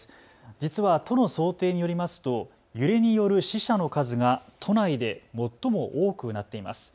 実は都の想定によりますと揺れによる死者の数が都内で最も多くなっています。